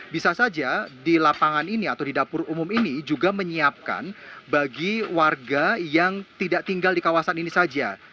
bisa saja di lapangan ini atau di dapur umum ini juga menyiapkan bagi warga yang tidak tinggal di kawasan ini saja